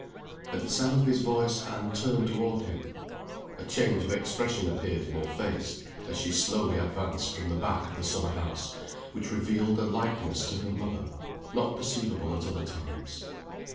At the sound of his voice, Anne turned toward him. A change of expression appeared in her face, as she slowly advanced from the back of the summer house, which revealed a likeness to her moth er, not perceivable at other times.